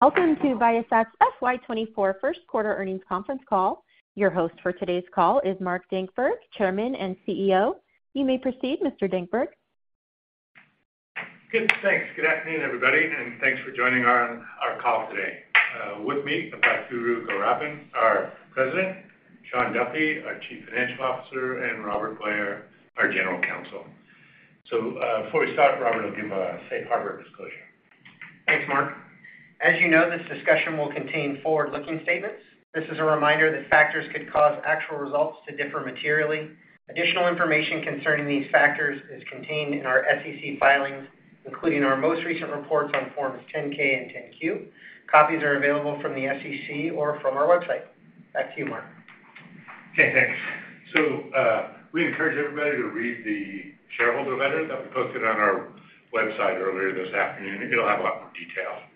Welcome to Viasat's FY 2024 First Quarter Earnings Conference Call. Your host for today's call is Mark Dankberg, Chairman and CEO. You may proceed, Mr. Dankberg. Good. Thanks. Good afternoon, everybody, and thanks for joining on our call today. With me, I've got Guru Gowrappan, our President, Shawn Duffy, our Chief Financial Officer, and Robert Blair, our General Counsel. Before we start, Robert will give a safe harbor disclosure. Thanks, Mark. As you know, this discussion will contain forward-looking statements. This is a reminder that factors could cause actual results to differ materially. Additional information concerning these factors is contained in our SEC filings, including our most recent reports on Forms 10-K and 10-Q. Copies are available from the SEC or from our website. Back to you, Mark. We encourage everybody to read the shareholder letter that we posted on our website earlier this afternoon. It'll have a lot more detail.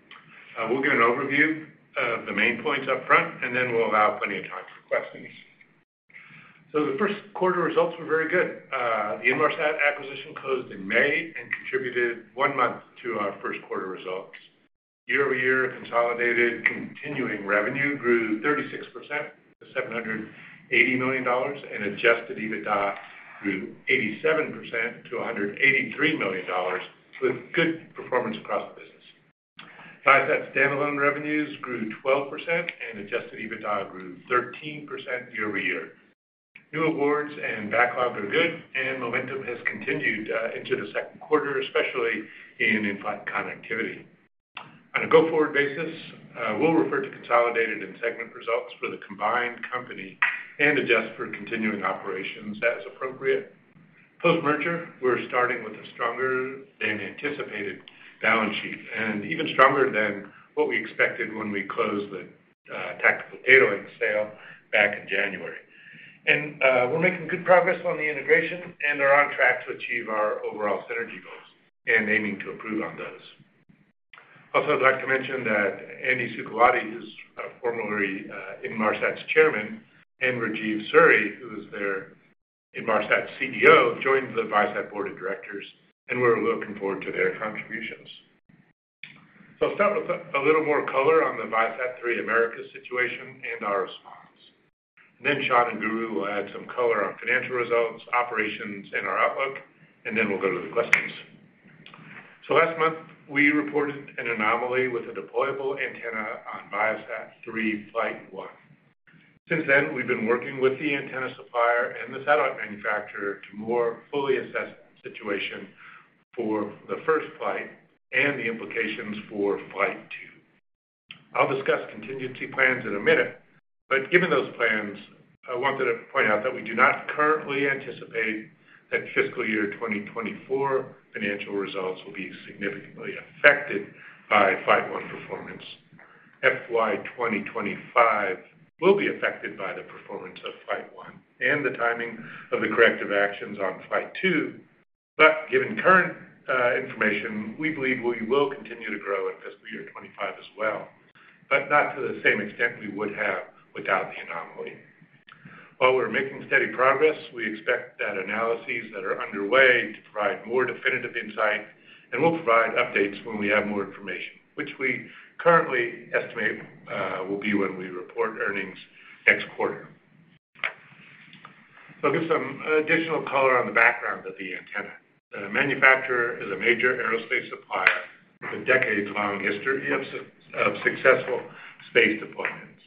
We'll give an overview of the main points up front, and then we'll allow plenty of time for questions. The first quarter results were very good. The Inmarsat acquisition closed in May and contributed one month to our first quarter results. Year-over-year consolidated continuing revenue grew 36% to $780 million, and adjusted EBITDA grew 87% to $183 million, with good performance across the business. Viasat standalone revenues grew 12% and adjusted EBITDA grew 13% year-over-year. New awards and backlogs are good, and momentum has continued into the second quarter, especially in in-flight connectivity. On a go-forward basis, we'll refer to consolidated and segment results for the combined company and adjust for continuing operations as appropriate. Post-merger, we're starting with a stronger than anticipated balance sheet and even stronger than what we expected when we closed the Tactical Data Links sale back in January. We're making good progress on the integration and are on track to achieve our overall synergy goals and aiming to improve on those. Also, I'd like to mention that Andy Sukawaty, who's formerly Inmarsat's Chairman, and Rajeev Suri, who was their Inmarsat CEO, joined the Viasat Board of Directors, and we're looking forward to their contributions. I'll start with a little more color on the ViaSat-3 Americas situation and our response. Shawn and Guru will add some color on financial results, operations, and our outlook, and then we'll go to the questions. Last month, we reported an anomaly with a deployable antenna on ViaSat-3 Flight 1. Since then, we've been working with the antenna supplier and the satellite manufacturer to more fully assess the situation for the first flight and the implications for Flight 2. I'll discuss contingency plans in a minute, given those plans, I wanted to point out that we do not currently anticipate that fiscal year 2024 financial results will be significantly affected by Flight 1 performance. FY 2025 will be affected by the performance of Flight 1 and the timing of the corrective actions on Flight 2, given current information, we believe we will continue to grow in fiscal year 2025 as well, not to the same extent we would have without the anomaly. While we're making steady progress, we expect that analyses that are underway to provide more definitive insight, and we'll provide updates when we have more information, which we currently estimate, will be when we report earnings next quarter. I'll give some additional color on the background of the antenna. The manufacturer is a major aerospace supplier with a decades-long history of successful space deployments.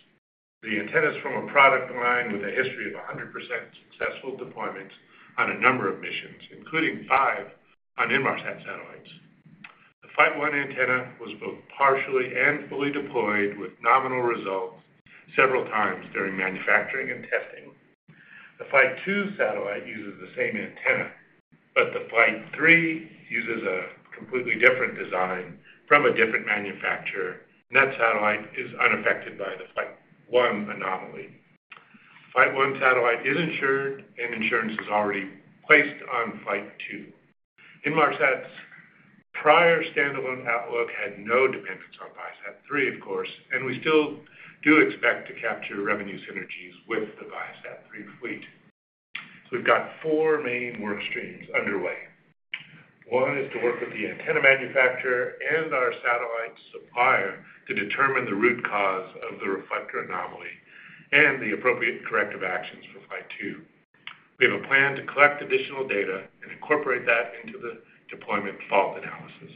The antenna's from a product line with a history of 100% successful deployments on a number of missions, including five on Inmarsat satellites. The Flight One antenna was both partially and fully deployed with nominal results several times during manufacturing and testing. The Flight Two satellite uses the same antenna, but the Flight Three uses a completely different design from a different manufacturer, and that satellite is unaffected by the Flight One anomaly. Flight 1 satellite is insured, and insurance is already placed on Flight 2. Inmarsat's prior standalone outlook had no dependence on ViaSat-3, of course, and we still do expect to capture revenue synergies with the ViaSat-3 fleet. We've got 4 main work streams underway. One is to work with the antenna manufacturer and our satellite supplier to determine the root cause of the reflector anomaly and the appropriate corrective actions for Flight 2. We have a plan to collect additional data and incorporate that into the deployment fault analysis.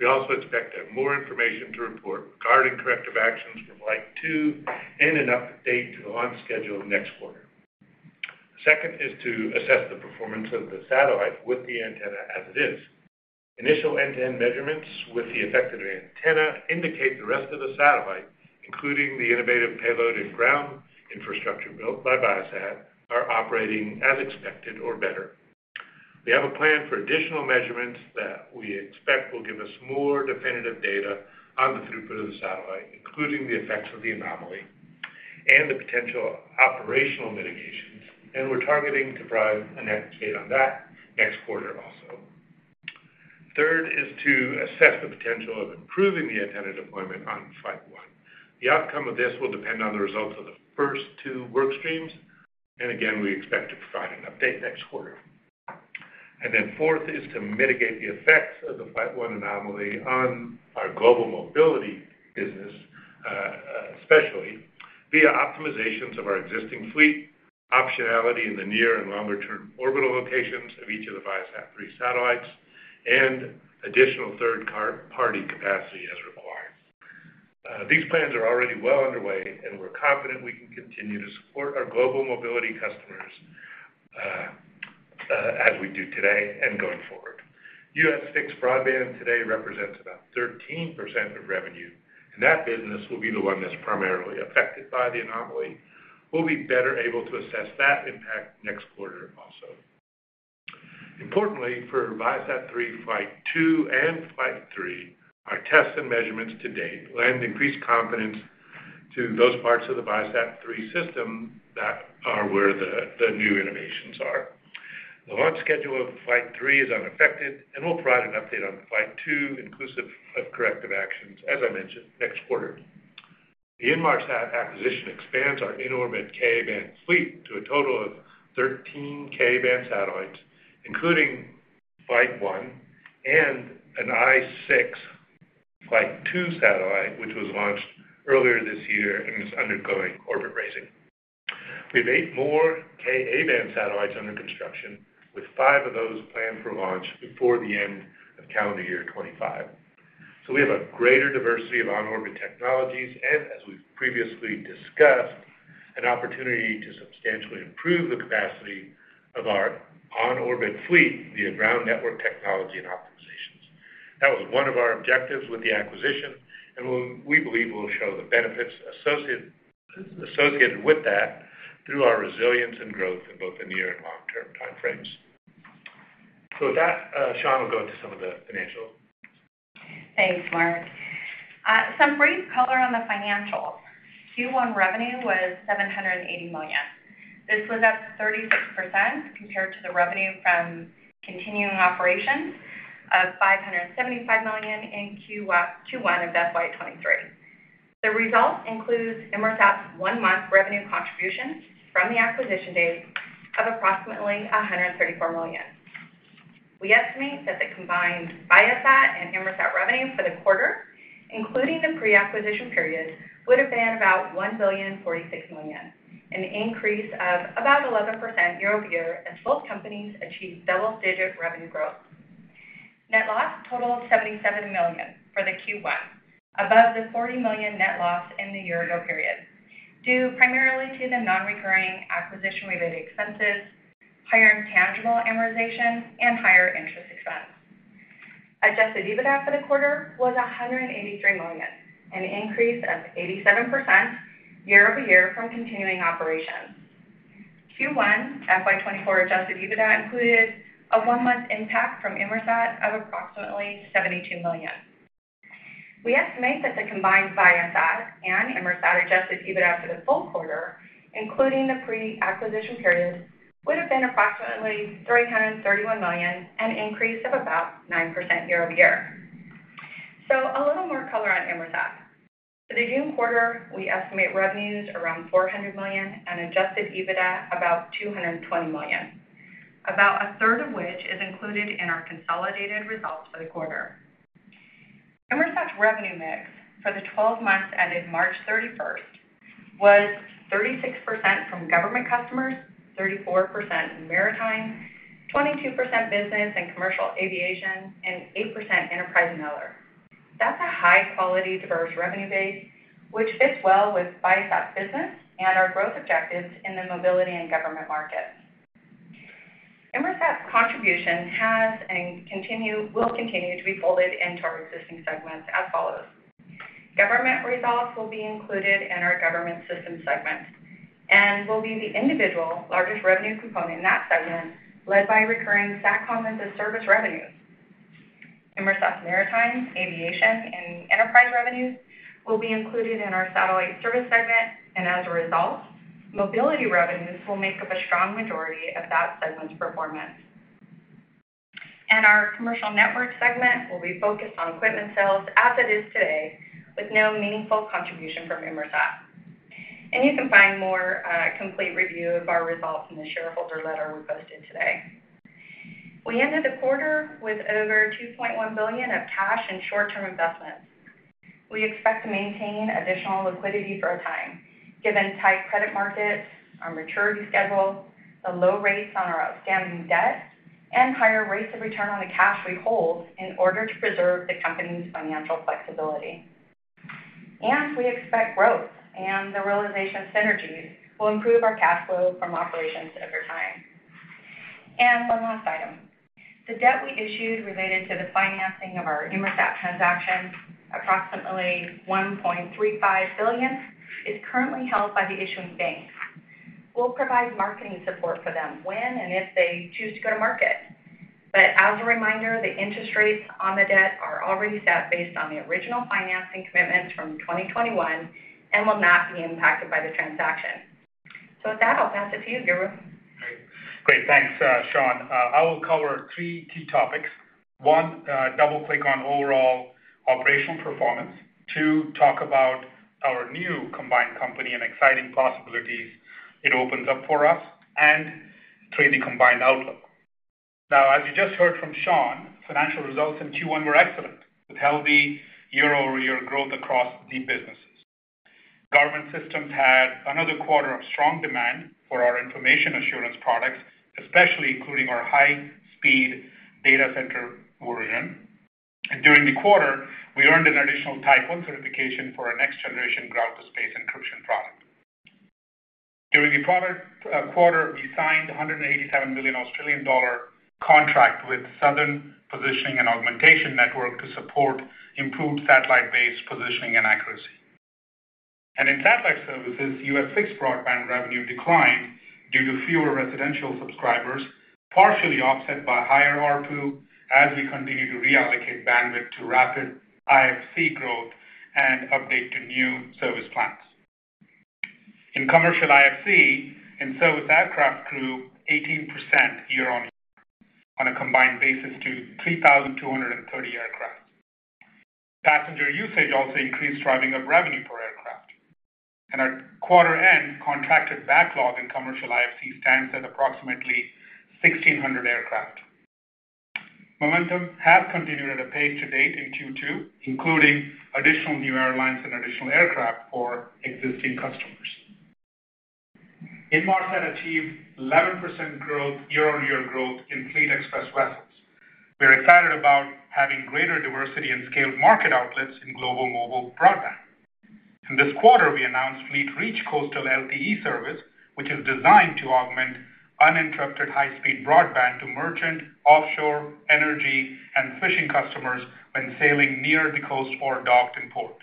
We also expect to have more information to report regarding corrective actions for Flight 2 and an update to the on schedule next quarter. Second is to assess the performance of the satellite with the antenna as it is. Initial end-to-end measurements with the affected antenna indicate the rest of the satellite, including the innovative payload and ground infrastructure built by Viasat, are operating as expected or better. We have a plan for additional measurements that we expect will give us more definitive data on the throughput of the satellite, including the effects of the anomaly and the potential operational mitigations. We're targeting to provide an update on that next quarter also. Third is to assess the potential of improving the antenna deployment on Flight One. The outcome of this will depend on the results of the first two work streams. Again, we expect to provide an update next quarter. Fourth is to mitigate the effects of the Flight One anomaly on our global mobility business, especially via optimizations of our existing fleet, optionality in the near and longer-term orbital locations of each of the ViaSat-3 satellites, and additional third-party capacity as required. These plans are already well underway, and we're confident we can continue to support our global mobility customers, as we do today and going forward. U.S. fixed broadband today represents about 13% of revenue, and that business will be the one that's primarily affected by the anomaly. We'll be better able to assess that impact next quarter also. Importantly, for ViaSat-3 Flight 2 and Flight 3, our tests and measurements to date lend increased confidence to those parts of the ViaSat-3 system that are where the new innovations are. The launch schedule of Flight Three is unaffected. We'll provide an update on Flight Two, inclusive of corrective actions, as I mentioned, next quarter. The Inmarsat acquisition expands our in-orbit Ka-band fleet to a total of 13 Ka-band satellites, including Flight One and an I-6 Flight 2 satellite, which was launched earlier this year and is undergoing orbit raising. We have eight more Ka-band satellites under construction, with five of those planned for launch before the end of calendar year 2025. We have a greater diversity of on-orbit technologies, and as we've previously discussed, an opportunity to substantially improve the capacity of our on-orbit fleet via ground network technology and optimizations. That was one of our objectives with the acquisition, and we believe we'll show the benefits associated with that through our resilience and growth in both the near and long-term time frames. With that, Shawn will go into some of the financials. Thanks, Mark. Some brief color on the financials. Q1 revenue was $780 million. This was up 36% compared to the revenue from continuing operations of $575 million in Q1 of FY 2023. The result includes Inmarsat's one-month revenue contribution from the acquisition date of approximately $134 million. We estimate that the combined Viasat and Inmarsat revenue for the quarter, including the pre-acquisition period, would have been about $1.046 billion, an increase of about 11% year-over-year as both companies achieved double-digit revenue growth. Net loss totaled $77 million for the Q1, above the $40 million net loss in the year-ago period, due primarily to the non-recurring acquisition-related expenses, higher intangible amortization, and higher interest expense. Adjusted EBITDA for the quarter was $183 million, an increase of 87% year-over-year from continuing operations. Q1 FY 2024 Adjusted EBITDA included a one month impact from Inmarsat of approximately $72 million. We estimate that the combined Viasat and Inmarsat Adjusted EBITDA for the full quarter, including the pre-acquisition period, would have been approximately $331 million, an increase of about 9% year-over-year. A little more color on Inmarsat. For the June quarter, we estimate revenues around $400 million and Adjusted EBITDA about $220 million, about a third of which is included in our consolidated results for the quarter. Inmarsat's revenue mix for the 12 months ended March 31st was 36% from government customers, 34% in maritime, 22% business and commercial aviation, and 8% enterprise and other. That's a high-quality, diverse revenue base, which fits well with Viasat's business and our growth objectives in the mobility and government markets. Inmarsat's contribution has and will continue to be folded into our existing segments as follows: Government results will be included in our government systems segment and will be the individual largest revenue component in that segment, led by recurring SATCOM as a service revenue. Inmarsat maritime, aviation, and enterprise revenues will be included in our satellite service segment. As a result, mobility revenues will make up a strong majority of that segment's performance. Our commercial network segment will be focused on equipment sales as it is today, with no meaningful contribution from Inmarsat. You can find more complete review of our results in the shareholder letter we posted today. We ended the quarter with over $2.1 billion of cash and short-term investments. We expect to maintain additional liquidity for a time, given tight credit markets, our maturity schedule, the low rates on our outstanding debt, and higher rates of return on the cash we hold in order to preserve the company's financial flexibility. We expect growth and the realization of synergies will improve our cash flow from operations over time. One last item: The debt we issued related to the financing of our Inmarsat transaction, approximately $1.35 billion, is currently held by the issuing banks. We'll provide marketing support for them when and if they choose to go to market. As a reminder, the interest rates on the debt are already set based on the original financing commitments from 2021 and will not be impacted by the transaction. With that, I'll pass it to you, Guru. Great. Thanks, Shawn. I will cover three key topics. One, double click on overall operational performance. Two, talk about our new combined company and exciting possibilities it opens up for us, and three, the combined outlook. Now, as you just heard from Shawn, financial results in Q1 were excellent, with healthy year-over-year growth across the businesses. Government Systems had another quarter of strong demand for our information assurance products, especially including our high-speed data center order. During the quarter, we earned an additional Type one certification for our next-generation ground-to-space encryption product. During the product quarter, we signed a 187 million Australian dollar contract with Southern Positioning Augmentation Network to support improved satellite-based positioning and accuracy. In Satellite Services, U.S. fixed broadband revenue declined due to fewer residential subscribers, partially offset by higher ARPU, as we continue to reallocate bandwidth to rapid IFC growth and update to new service plans. In Commercial IFC, in-service aircraft grew 18% year-on-year on a combined basis to 3,230 aircraft. Passenger usage also increased, driving up revenue per aircraft. At quarter-end, contracted backlog in Commercial IFC stands at approximately 1,600 aircraft. Momentum has continued at a pace to date in Q2, including additional new airlines and additional aircraft for existing customers. Inmarsat achieved 11% growth, year-over-year growth in Fleet Xpress vessels. We are excited about having greater diversity and scaled market outlets in global mobile broadband. In this quarter, we announced Fleet Reach Coastal LTE service, which is designed to augment uninterrupted high-speed broadband to merchant, offshore, energy, and fishing customers when sailing near the coast or docked in port.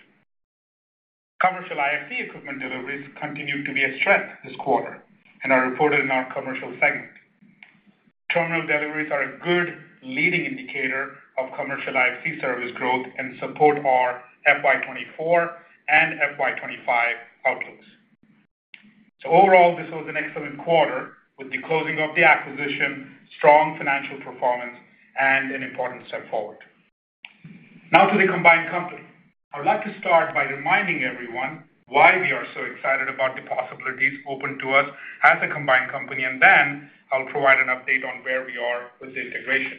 Commercial IFC equipment deliveries continued to be a strength this quarter and are reported in our Commercial segment. Terminal deliveries are a good leading indicator of commercial IFC service growth and support our FY 2024 and FY 2025 outlooks. Overall, this was an excellent quarter with the closing of the acquisition, strong financial performance, and an important step forward. To the combined company. I would like to start by reminding everyone why we are so excited about the possibilities open to us as a combined company, and then I'll provide an update on where we are with the integration.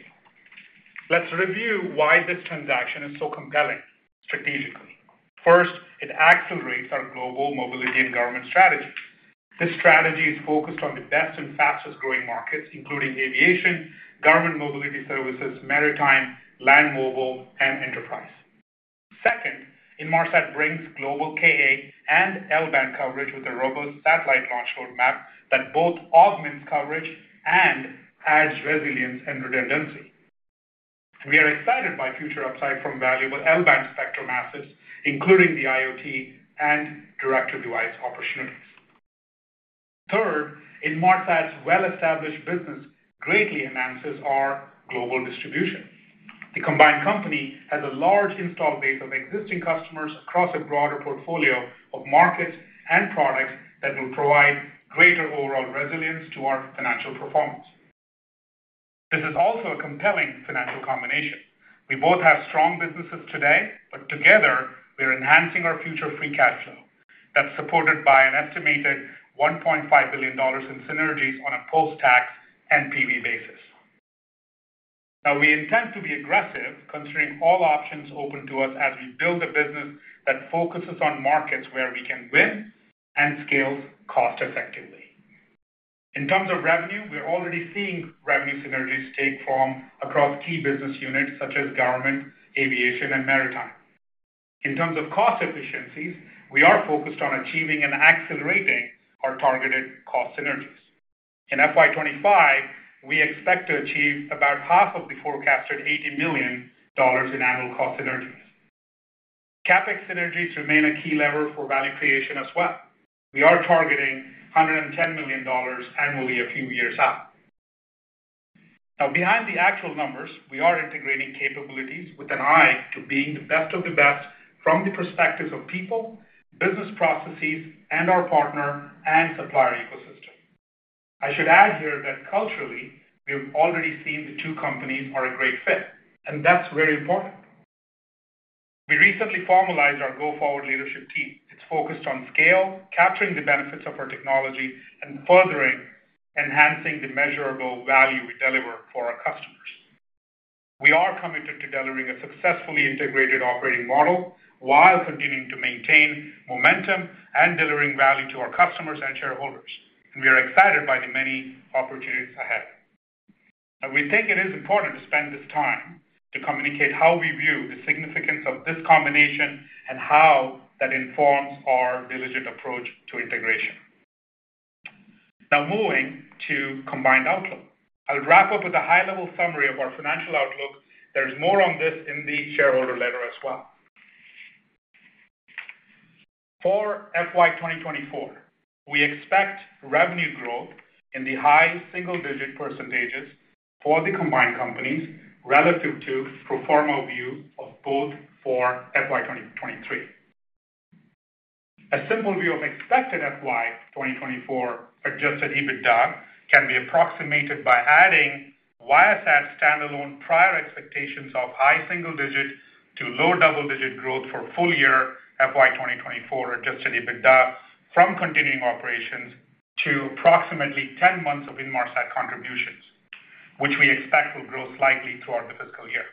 Let's review why this transaction is so compelling strategically. First, it accelerates our global mobility and government strategy. This strategy is focused on the best and fastest-growing markets, including aviation, government mobility services, maritime, land mobile, and enterprise. Second, Inmarsat brings global Ka- and L-band coverage with a robust satellite launch roadmap that both augments coverage and adds resilience and redundancy. We are excited by future upside from valuable L-band spectrum assets, including the IoT and direct-to-device opportunities. Third, Inmarsat's well-established business greatly enhances our global distribution. The combined company has a large installed base of existing customers across a broader portfolio of markets and products that will provide greater overall resilience to our financial performance. This is also a compelling financial combination. We both have strong businesses today, but together, we are enhancing our future free cash flow. That's supported by an estimated $1.5 billion in synergies on a post-tax NPV basis. Now, we intend to be aggressive, considering all options open to us as we build a business that focuses on markets where we can win and scale cost effectively. In terms of revenue, we're already seeing revenue synergies take form across key business units such as government, aviation, and maritime. In terms of cost efficiencies, we are focused on achieving and accelerating our targeted cost synergies. In FY 2025, we expect to achieve about half of the forecasted $80 million in annual cost synergies. CapEx synergies remain a key lever for value creation as well. We are targeting $110 million annually a few years out. Behind the actual numbers, we are integrating capabilities with an eye to being the best of the best from the perspectives of people, business processes, and our partner and supplier ecosystem. I should add here that culturally, we've already seen the two companies are a great fit, and that's very important. We recently formalized our go-forward leadership team. It's focused on scale, capturing the benefits of our technology, and furthering enhancing the measurable value we deliver for our customers. We are committed to delivering a successfully integrated operating model while continuing to maintain momentum and delivering value to our customers and shareholders. We are excited by the many opportunities ahead. We think it is important to spend this time to communicate how we view the significance of this combination and how that informs our diligent approach to integration. Now, moving to combined outlook. I'll wrap up with a high-level summary of our financial outlook. There's more on this in the shareholder letter as well. For FY 2024, we expect revenue growth in the high single-digit % for the combined companies relative to pro forma view of both for FY 2023. A simple view of expected FY 2024 adjusted EBITDA can be approximated by adding Viasat standalone prior expectations of high single-digit to low double-digit growth for full year FY 2024, adjusted EBITDA from continuing operations to approximately 10 months of Inmarsat contributions, which we expect will grow slightly throughout the fiscal year.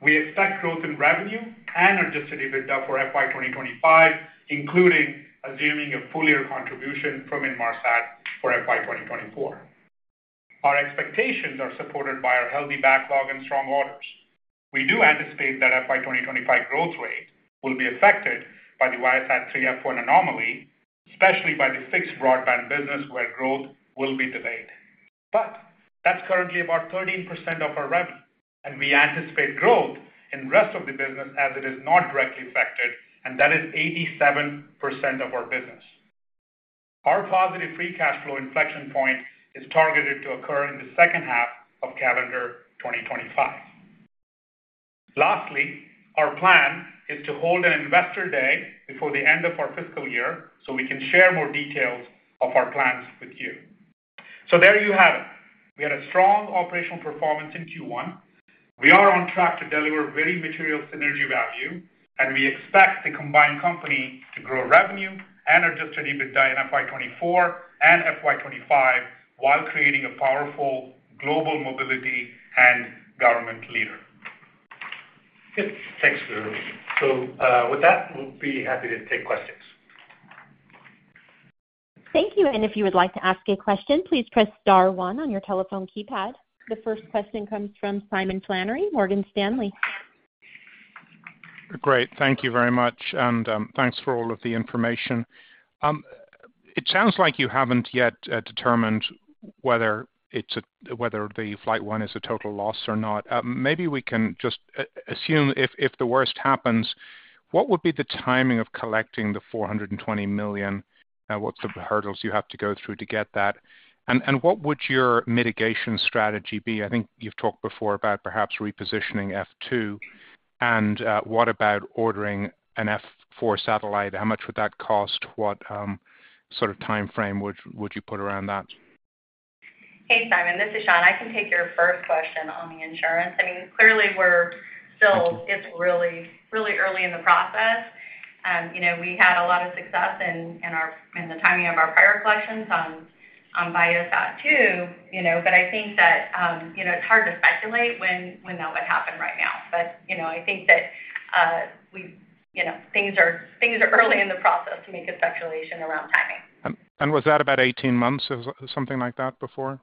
We expect growth in revenue and adjusted EBITDA for FY 2025, including assuming a full year contribution from Inmarsat for FY 2024. Our expectations are supported by our healthy backlog and strong orders. We do anticipate that FY 2025 growth rate will be affected by the ViaSat-3 F1 anomaly, especially by the fixed broadband business, where growth will be delayed. That's currently about 13% of our revenue, and we anticipate growth in rest of the business as it is not directly affected, and that is 87% of our business. Our positive free cash flow inflection point is targeted to occur in the second half of calendar 2025. Lastly, our plan is to hold an investor day before the end of our fiscal year, so we can share more details of our plans with you. There you have it. We had a strong operational performance in Q1. We are on track to deliver very material synergy value, and we expect the combined company to grow revenue and adjusted EBITDA in FY 2024 and FY 2025, while creating a powerful global mobility and government leader. Good. Thanks, Guru. With that, we'll be happy to take questions. Thank you. If you would like to ask a question, please press star one on your telephone keypad. The first question comes from Simon Flannery, Morgan Stanley. Great. Thank you very much, and thanks for all of the information. It sounds like you haven't yet determined whether the Flight 1 is a total loss or not. Maybe we can just assume if, if the worst happens, what would be the timing of collecting the $420 million? What's the hurdles you have to go through to get that? And what would your mitigation strategy be? I think you've talked before about perhaps repositioning F2. What about ordering an F4 satellite? How much would that cost? What sort of timeframe would you put around that? Hey, Simon, this is Shawn. I can take your first question on the insurance. I mean, clearly, we're still. It's really, really early in the process. You know, we had a lot of success in, in our, in the timing of our prior collections on, on ViaSat-2, you know, but I think that, you know, it's hard to speculate when, when that would happen right now. You know, I think that, you know, things are, things are early in the process to make a speculation around timing. Was that about 18 months or something like that before?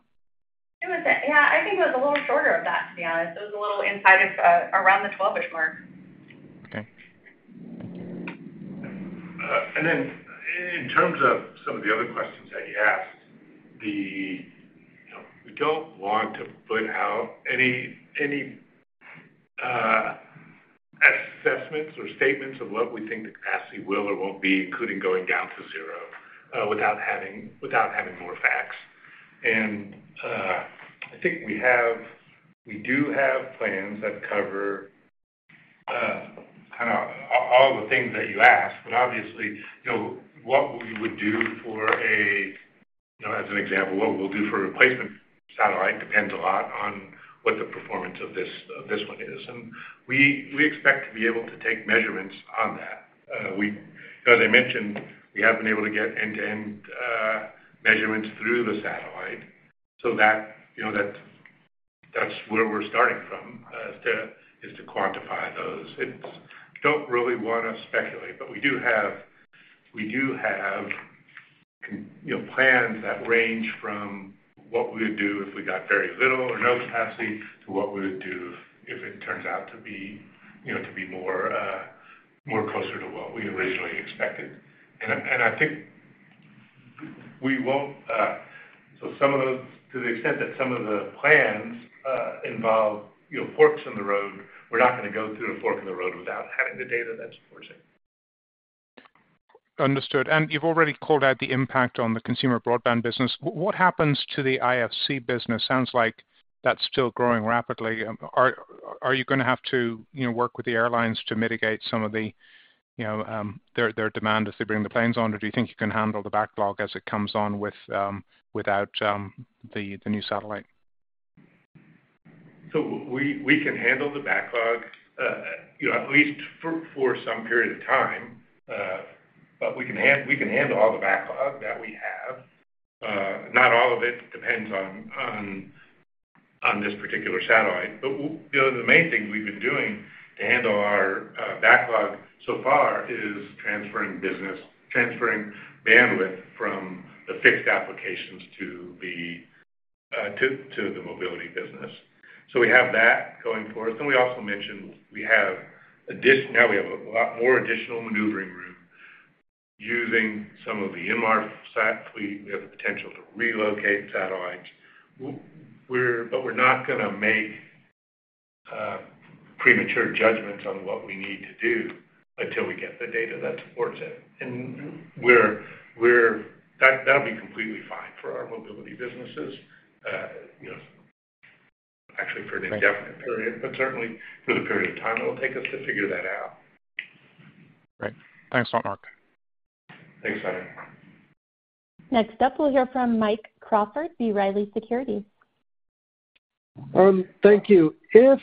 It was, yeah, I think it was a little shorter of that, to be honest. It was a little inside of, around the 12-ish mark. Okay. Then in terms of some of the other questions that you asked, the, you know, we don't want to put out any, any, assessments or statements of what we think the capacity will or won't be, including going down to zero, without having, without having more facts. I think we do have plans that cover, kind of, all the things that you ask, but obviously, you know, what we would do for a, you know, as an example, what we'll do for a replacement satellite depends a lot on what the performance of this, of this one is. We, we expect to be able to take measurements on that. We... As I mentioned, we have been able to get end-to-end, measurements through the satellite so that, you know, that's where we're starting from, is to, is to quantify those. It's, don't really want to speculate, but we do have, we do have, you know, plans that range from what we would do if we got very little or no capacity, to what we would do if it turns out to be, you know, to be more, more closer to what we originally expected. I, and I think we won't, so some of those, to the extent that some of the plans, involve, you know, forks in the road, we're not going to go through a fork in the road without having the data that supports it. Understood. You've already called out the impact on the consumer broadband business. What happens to the IFC business? Sounds like that's still growing rapidly. Are, are you going to have to, you know, work with the airlines to mitigate some of the, you know, their, their demand as they bring the planes on, or do you think you can handle the backlog as it comes on with, without, the, the new satellite? We, we can handle the backlog, you know, at least for, for some period of time. We can handle all the backlog that we have. Not all of it depends on, on, on this particular satellite. You know, the main thing we've been doing to handle our backlog so far is transferring business, transferring bandwidth from the fixed applications to the mobility business. We have that going for us. We also mentioned we have now we have a lot more additional maneuvering room using some of the Inmarsat fleet. We have the potential to relocate satellites. We're not going to make premature judgments on what we need to do until we get the data that supports it. We're, we're that, that'll be completely fine for our mobility businesses. you know, actually for an indefinite period, but certainly for the period of time it will take us to figure that out. Great. Thanks a lot, Mark. Thanks, Simon. Next up, we'll hear from Mike Crawford, B. Riley Securities. Thank you. If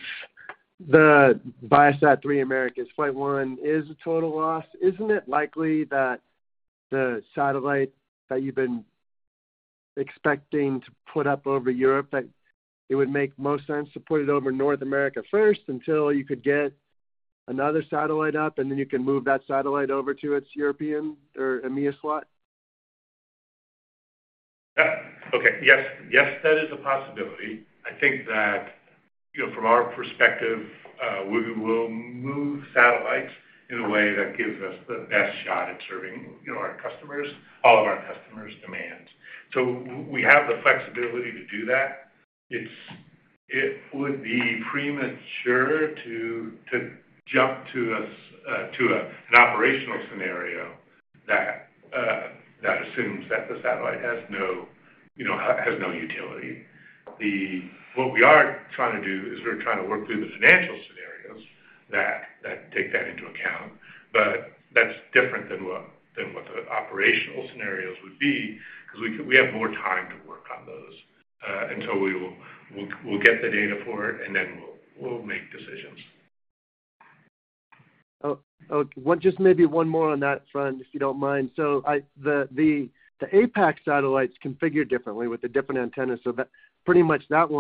the ViaSat-3 Americas Flight 1 is a total loss, isn't it likely that the satellite that you've been expecting to put up over Europe, that it would make most sense to put it over North America first until you could get another satellite up, and then you can move that satellite over to its European or EMEA slot? Yeah. Okay. Yes, yes, that is a possibility. I think that, you know, from our perspective, we will move satellites in a way that gives us the best shot at serving, you know, our customers, all of our customers' demands. We have the flexibility to do that. It would be premature to, to jump to an operational scenario that assumes that the satellite has no, you know, has, has no utility. What we are trying to do is we're trying to work through the financial scenarios that, that take that into account, but that's different than what, than what the operational scenarios would be, 'cause we, we have more time to work on those. Until we'll get the data for it, and then we'll, we'll make decisions. Just maybe one more on that front, if you don't mind. I, the APAC satellite's configured differently with a different antenna, so that, pretty much that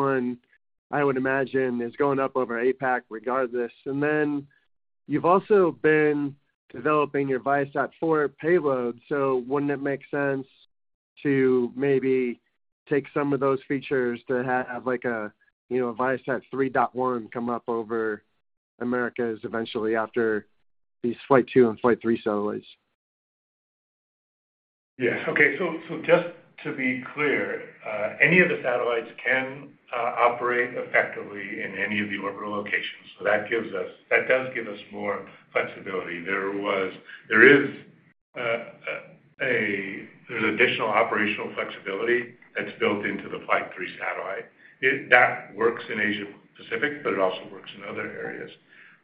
one, I would imagine, is going up over APAC regardless. Then you've also been developing your ViaSat-4 payload, so wouldn't it make sense to maybe take some of those features to have, like, a, you know, a ViaSat-3.1 come up over Americas eventually after these Flight 2 and Flight 3 satellites? Okay, so just to be clear, any of the satellites can operate effectively in any of the orbital locations, so that does give us more flexibility. There's additional operational flexibility that's built into the Flight three satellite. That works in Asia-Pacific, but it also works in other areas.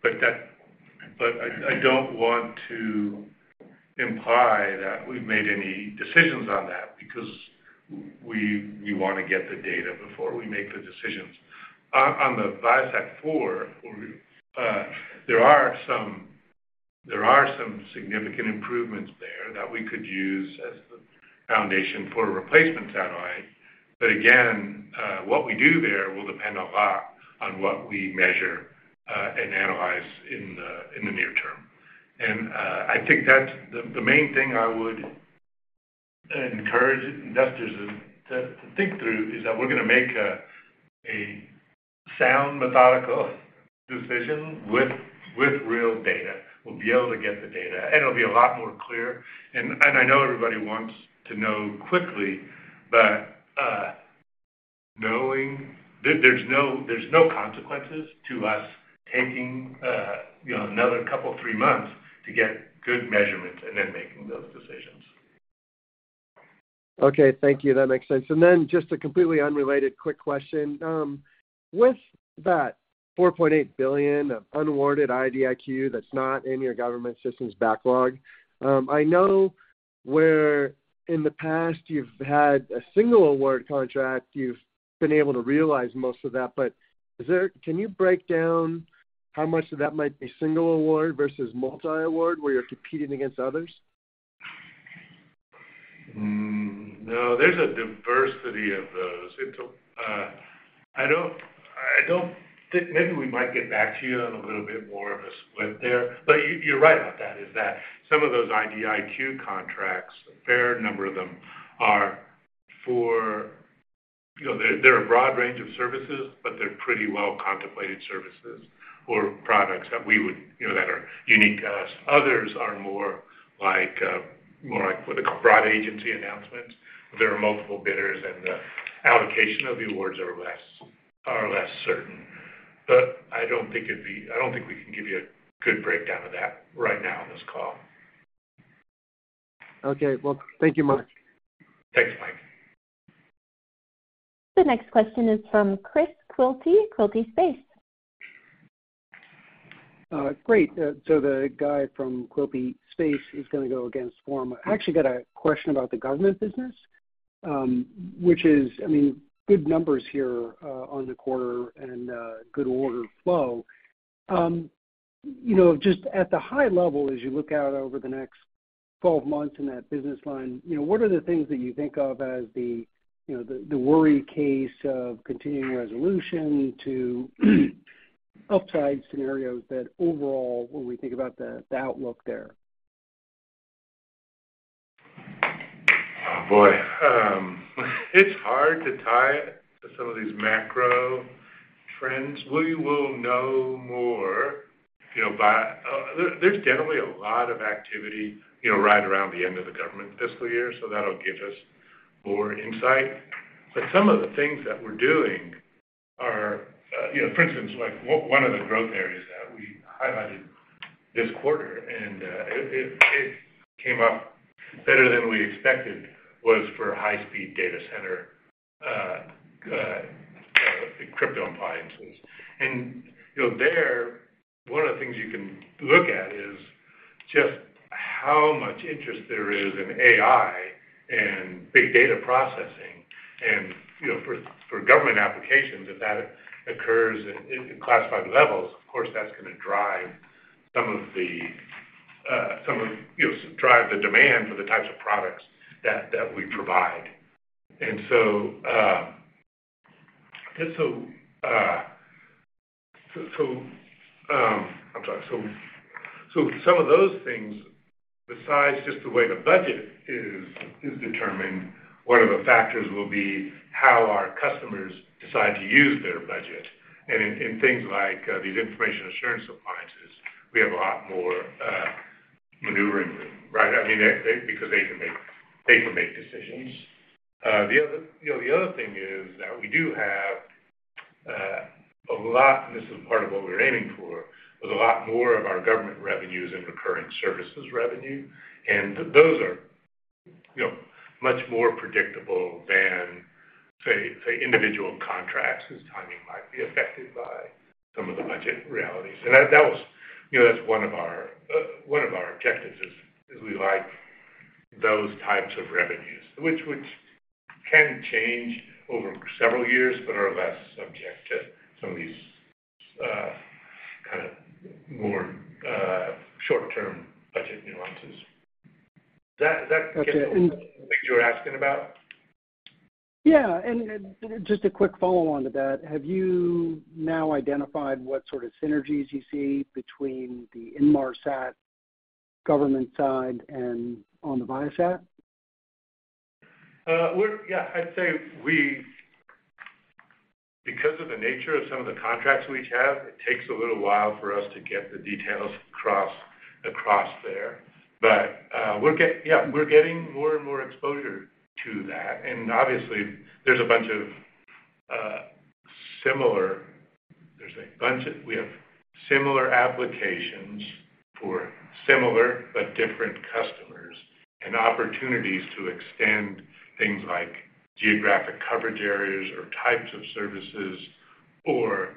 I don't want to imply that we've made any decisions on that, because we want to get the data before we make the decisions. On the ViaSat-4, there are some significant improvements there that we could use as the foundation for a replacement satellite. Again, what we do there will depend a lot on what we measure and analyze in the near term. I think that's the main thing I would encourage investors to think through, is that we're gonna make a sound, methodical decision with real data. We'll be able to get the data, and it'll be a lot more clear. I know everybody wants to know quickly, but knowing there's no consequences to us taking, you know, another couple, three months to get good measurements and then making those decisions. Okay, thank you. That makes sense. Then just a completely unrelated quick question. With that $4.8 billion of unawarded IDIQ that's not in your government systems backlog, I know where in the past you've had a single award contract, you've been able to realize most of that, but is there, Can you break down how much of that might be single award versus multi-award, where you're competing against others? No, there's a diversity of those. It's I don't think. Maybe we might get back to you on a little bit more of a split there. You, you're right about that, is that some of those IDIQ contracts, a fair number of them, are for you know, they're, they're a broad range of services, but they're pretty well-contemplated services or products that we would, you know, that are unique to us. Others are more like, more like with a broad agency announcement, where there are multiple bidders, and the allocation of the awards are less, are less certain. I don't think it'd be. I don't think we can give you a good breakdown of that right now on this call. Okay. Well, thank you, Mark. Thanks, Mike. The next question is from Chris Quilty, Quilty Analytics. Great. The guy from Quilty Analytics is gonna go against form. I actually got a question about the government business, which is, I mean, good numbers here on the quarter and good order flow. You know, just at the high level, as you look out over the next 12 months in that business line, you know, what are the things that you think of as the worry case of continuing resolution to upside scenarios that overall, when we think about the outlook there? Oh, boy. It's hard to tie it to some of these macro trends. We will know more, you know, by. There's generally a lot of activity, you know, right around the end of the government fiscal year, so that'll give us more insight. Some of the things that we're doing are, you know, for instance, like one of the growth areas that we this quarter, and it came up better than we expected, was for high-speed data center crypto appliances. You know, there, one of the things you can look at is just how much interest there is in AI and big data processing. You know, for government applications, if that occurs in classified levels, of course, that's going to drive some of the, some of, you know, drive the demand for the types of products that we provide. Some of those things, besides just the way the budget is determined, one of the factors will be how our customers decide to use their budget. In things like these information assurance appliances, we have a lot more maneuvering room, right? I mean, because they can make, they can make decisions. The other, you know, the other thing is that we do have a lot, and this is part of what we're aiming for, with a lot more of our government revenues and recurring services revenue. Those are, you know, much more predictable than, say, say, individual contracts, whose timing might be affected by some of the budget realities. You know, that's one of our objectives, is, is we like those types of revenues, which, which can change over several years, but are less subject to some of these, kind of more, short-term budget nuances. Does that, does that get? Okay. the things you were asking about? Yeah, and just a quick follow-on to that, have you now identified what sort of synergies you see between the Inmarsat government side and on the Viasat? We're. Yeah, I'd say we because of the nature of some of the contracts we have, it takes a little while for us to get the details across, across there. We're get. Yeah, we're getting more and more exposure to that, and obviously, there's a bunch of similar. There's a bunch of we have similar applications for similar but different customers, and opportunities to extend things like geographic coverage areas or types of services or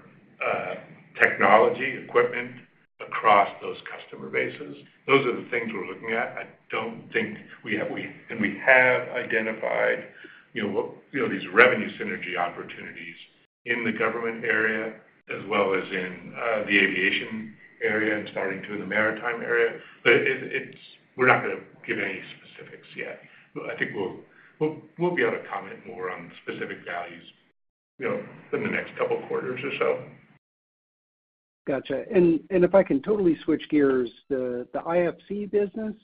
technology, equipment across those customer bases. Those are the things we're looking at. I don't think we have. We, and we have identified, you know these revenue synergy opportunities in the government area, as well as in the aviation area and starting to in the maritime area. It we're not gonna give any specifics yet. I think we'll be able to comment more on specific values, you know, in the next couple quarters or so. Gotcha. If I can totally switch gears, the, the IFC business,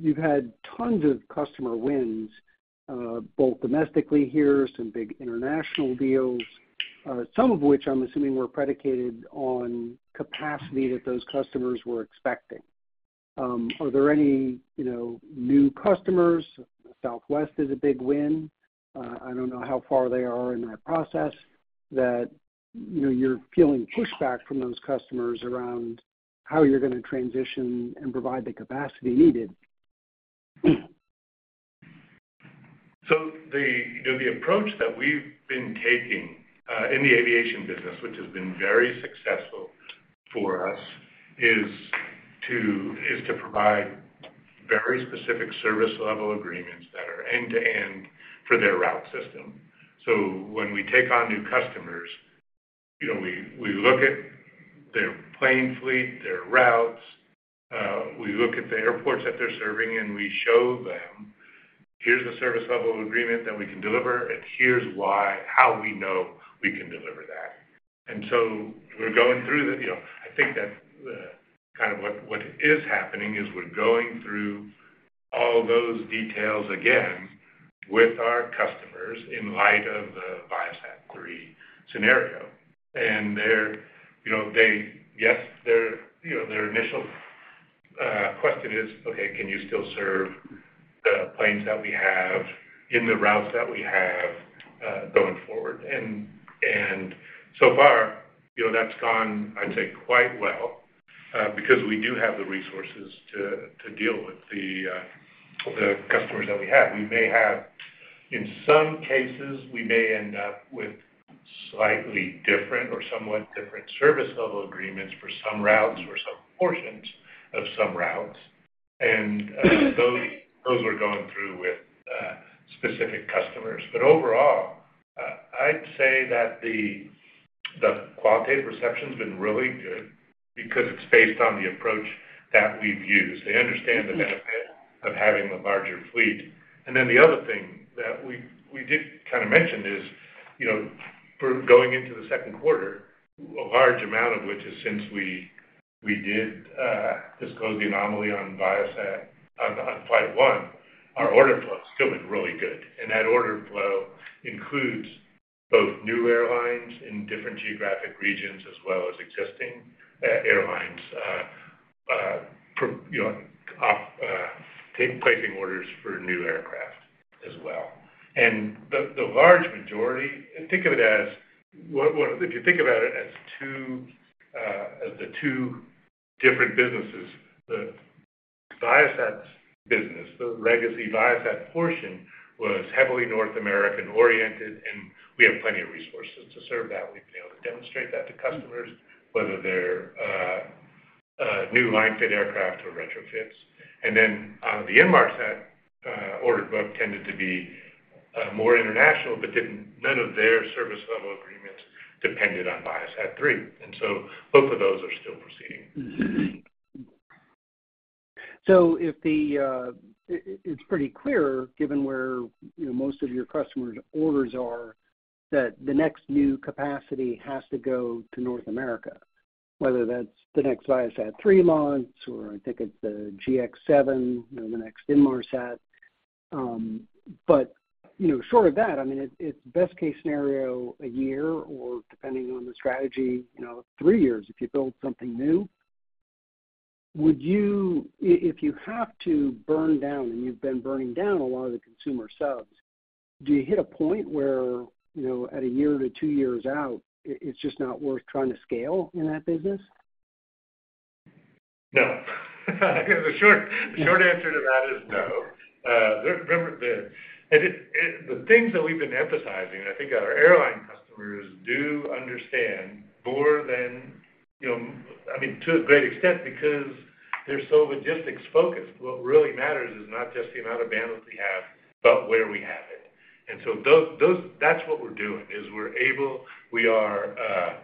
you've had tons of customer wins, both domestically here, some big international deals, some of which I'm assuming were predicated on capacity that those customers were expecting. Are there any, you know, new customers? Southwest is a big win. I don't know how far they are in that process, that, you know, you're feeling pushback from those customers around how you're gonna transition and provide the capacity needed. The, you know, the approach that we've been taking in the aviation business, which has been very successful for us, is to provide very specific service level agreements that are end-to-end for their route system. When we take on new customers, you know, we look at their plane fleet, their routes, we look at the airports that they're serving, and we show them, "Here's the service level agreement that we can deliver, and here's why, how we know we can deliver that." We're going through the, you know, I think that's kind of what is happening, is we're going through all those details again with our customers in light of the ViaSat-3 scenario. They're, you know, Yes, their, you know, their initial question is: "Okay, can you still serve the planes that we have in the routes that we have, going forward?" So far, you know, that's gone, I'd say, quite well, because we do have the resources to, to deal with the customers that we have. We may have. In some cases, we may end up with slightly different or somewhat different service level agreements for some routes or some portions of some routes. Those, those we're going through with specific customers. Overall, I'd say that the qualitative perception's been really good because it's based on the approach that we've used. They understand the benefit of having a larger fleet. The other thing that we, we did kind of mention is, you know, for going into the second quarter, a large amount of which is since we, we did disclose the anomaly on Viasat, on, on Flight 1, our order flow is still been really good. That order flow includes both new airlines in different geographic regions as well as existing airlines. From, you know, off taking, placing orders for new aircraft as well. The, the large majority, think of it as what, if you think about it as two, as the two different businesses, the Viasat's business, the legacy Viasat portion, was heavily North American-oriented, and we have plenty of resources to serve that. We've been able to demonstrate that to customers, whether they're new line-fit aircraft or retrofits. The Inmarsat order book tended to be more international, but none of their service level agreements depended on ViaSat-3. Both of those are still proceeding. If it's pretty clear, given where, you know, most of your customers' orders are, that the next new capacity has to go to North America, whether that's the next ViaSat-3 launch, or I think it's the GX7, you know, the next Inmarsat. You know, short of that, I mean, it, it's best case scenario, 1 year, or depending on the strategy, you know, 3 years, if you build something new. If you have to burn down, and you've been burning down a lot of the consumer subs, do you hit a point where, you know, at 1 year to 2 years out, it's just not worth trying to scale in that business? No. The short, the short answer to that is no. Remember the things that we've been emphasizing, I think our airline customers do understand more than, you know, I mean, to a great extent, because they're so logistics-focused. What really matters is not just the amount of bandwidth we have, but where we have it. That's what we're doing, is we are,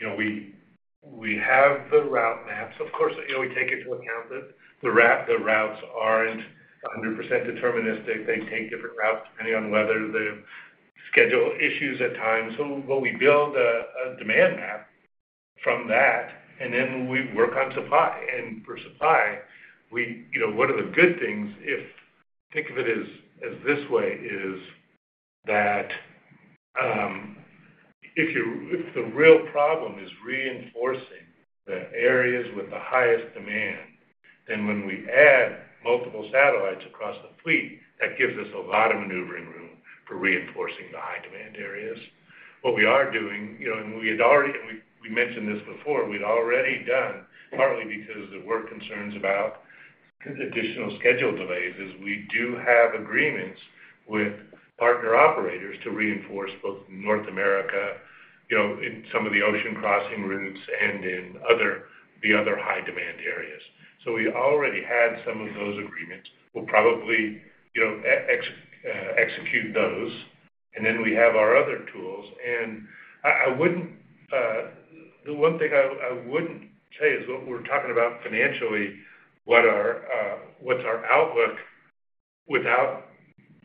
you know, we, we have the route maps. Of course, you know, we take into account that the routes aren't 100% deterministic. They take different routes depending on weather, the schedule issues at times. What we build a demand map from that, and then we work on supply. For supply, we, you know, one of the good things, if... think of it as, as this way, is that, if you, if the real problem is reinforcing the areas with the highest demand, then when we add multiple satellites across the fleet, that gives us a lot of maneuvering room for reinforcing the high-demand areas. What we are doing, you know, and we had already, and we, we mentioned this before, we'd already done, partly because there were concerns about additional schedule delays, is we do have agreements with partner operators to reinforce both North America, you know, in some of the ocean crossing routes and in other, the other high-demand areas. We already had some of those agreements. We'll probably, you know, execute those, and then we have our other tools. I wouldn't, the one thing I, I wouldn't say is what we're talking about financially, what's our outlook without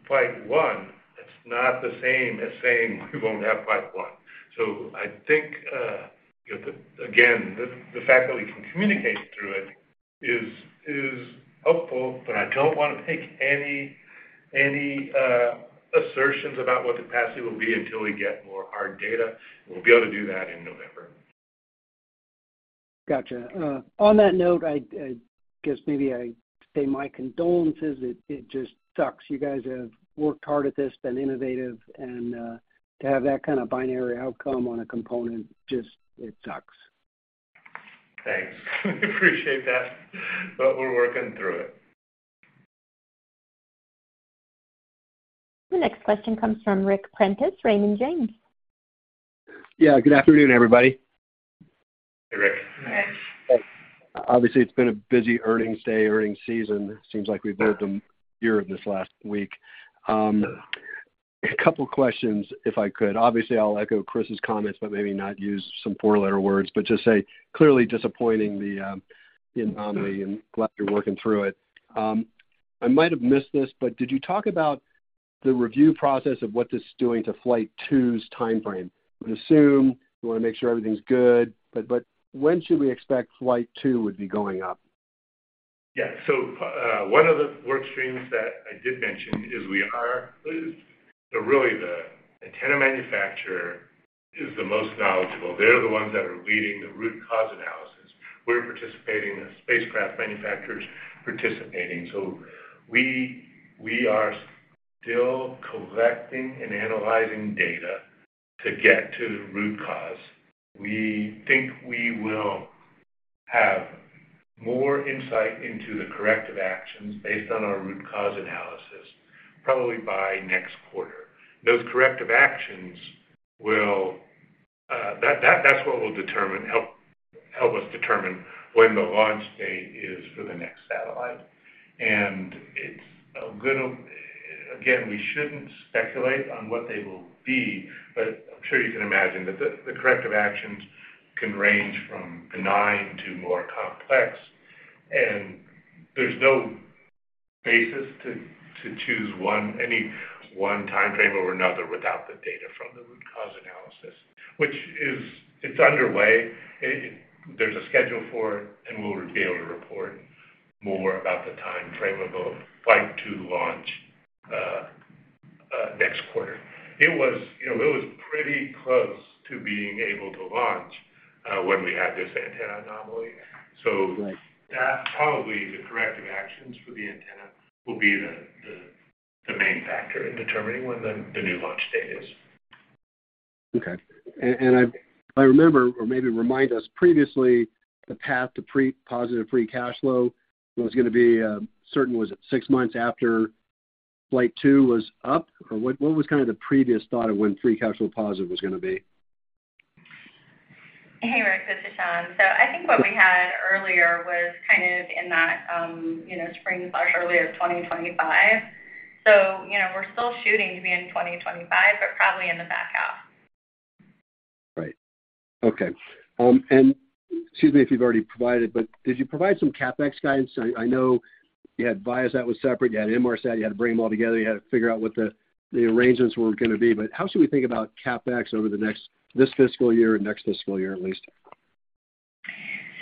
Flight One. That's not the same as saying we won't have Flight One. I think, again, the, the fact that we can communicate through it is, is helpful, but I don't want to make any, any assertions about what capacity will be until we get more hard data. We'll be able to do that in November. Gotcha. On that note I guess maybe I say my condolences. It, it just sucks. You guys have worked hard at this, been innovative, and to have that kind of binary outcome on a component, just, it sucks. Thanks. Appreciate that. We're working through it. The next question comes from Ric Prentiss, Raymond James. Yeah. Good afternoon, everybody. Hey, Ric. Hey. It's been a busy earnings day, earnings season. Seems like we've built a year of this last week. A couple questions, if I could. I'll echo Chris's comments, but maybe not use some four-letter words, but just say, clearly disappointing, the, the anomaly, and glad you're working through it. I might have missed this, but did you talk about the review process of what this is doing to Flight Two's timeframe? I would assume you want to make sure everything's good, but when should we expect Flight Two would be going up? Yeah. One of the work streams that I did mention is really, the antenna manufacturer is the most knowledgeable. They're the ones that are leading the root cause analysis. We're participating, the spacecraft manufacturer's participating. We are still collecting and analyzing data to get to the root cause. We think we will have more insight into the corrective actions based on our root cause analysis, probably by next quarter. Those corrective actions will, that's what will determine, help us determine when the launch date is for the next satellite. It's a good... Again, we shouldn't speculate on what they will be, but I'm sure you can imagine that the, the corrective actions can range from benign to more complex, and there's no basis to, to choose one, any one timeframe over another without the data from the root cause analysis, which is, it's underway. There's a schedule for it, and we'll be able to report more about the timeframe of the Flight 2 launch, soon quarter. It was, you know, it was pretty close to being able to launch, when we had this antenna anomaly. Right. that probably the corrective actions for the antenna will be the, the, the main factor in determining when the, the new launch date is. Okay. I, if I remember, or maybe remind us previously, the path to pre-positive free cash flow was gonna be certain, was it 6 months after ViaSat-3 Flight 2 was up? What, what was kind of the previous thought of when free cash flow positive was gonna be? Hey, Ric, this is Shawn. I think what we had earlier was kind of in that, you know, spring/earlier 2025. You know, we're still shooting to be in 2025, but probably in the back half. Right. Okay. Excuse me if you've already provided, but did you provide some CapEx guidance? I, I know you had Viasat was separate, you had Inmarsat, you had to bring them all together. You had to figure out what the, the arrangements were gonna be. How should we think about CapEx over the next, this fiscal year and next fiscal year, at least?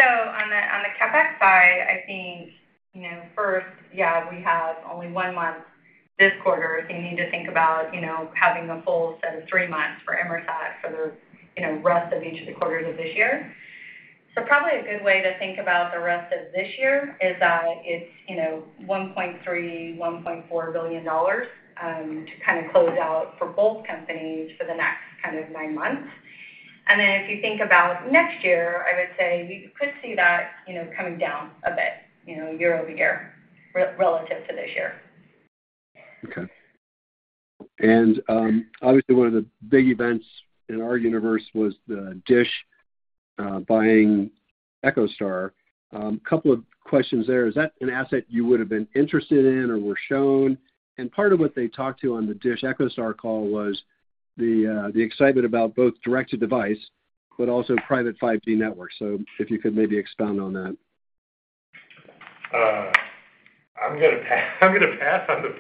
On the, on the CapEx side, I think, you know, first, yeah, we have only one month this quarter. You need to think about, you know, having a full set of three months for Inmarsat for the, you know, rest of each of the quarters of this year. Probably a good way to think about the rest of this year is that it's, you know, $1.3 billion-$1.4 billion to kind of close out for both companies for the next kind of nine months. Then if you think about next year, I would say we could see that, you know, coming down a bit, you know, year-over-year relative to this year. Okay. Obviously, one of the big events in our universe was the DISH buying EchoStar. Couple of questions there. Is that an asset you would have been interested in or were shown? Part of what they talked to on the DISH EchoStar call was the excitement about both direct-to-device, but also private 5G networks. If you could maybe expound on that. I'm gonna pass I'm gonna pass on the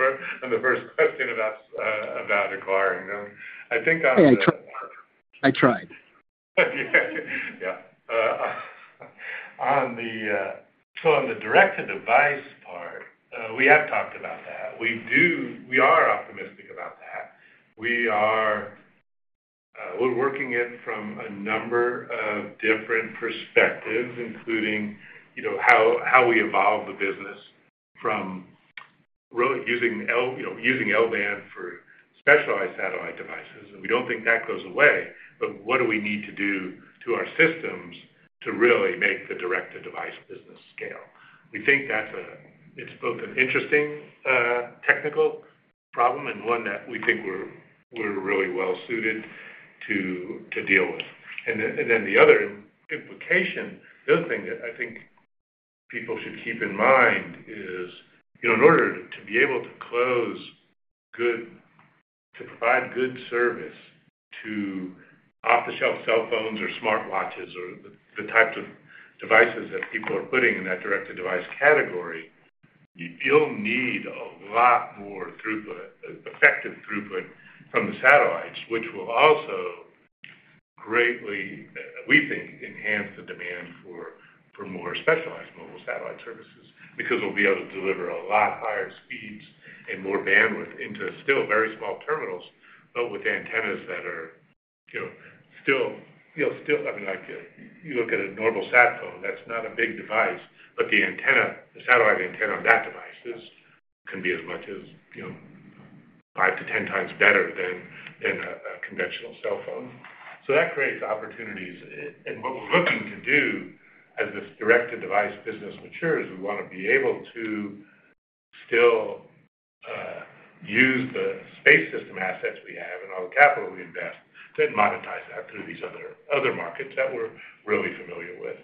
first question about acquiring them. I tried. Yeah. On the direct-to-device part, we have talked about that. We are optimistic about that. We are, we're working it from a number of different perspectives, including, you know, how, how we evolve the business from really using you know, using L-band for specialized satellite devices, and we don't think that goes away. What do we need to do to our systems to really make the direct-to-device business scale? We think that's both an interesting, technical problem and one that we think we're, we're really well suited to, to deal with. The other implication, the other thing that I think people should keep in mind is, you know, in order to be able to close to provide good service to off-the-shelf cell phones or smartwatches or the, the types of devices that people are putting in that direct-to-device category, you'll need a lot more throughput, effective throughput from the satellites, which will also greatly, we think, enhance the demand for, for more specialized mobile satellite services. Because we'll be able to deliver a lot higher speeds and more bandwidth into still very small terminals, but with antennas that are, you know, still, you know, still, I mean, like, you look at a normal sat phone, that's not a big device, but the antenna, the satellite antenna on that device is, can be as much as, you know, 5 to 10 times better than, than a, a conventional cell phone. That creates opportunities. And what we're looking to do as this direct-to-device business matures, we wanna be able to still use the space system assets we have and all the capital we invest to then monetize that through these other, other markets that we're really familiar with.